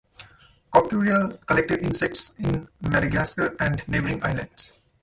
Coquerel collected insects in Madagascar and neighbouring islands.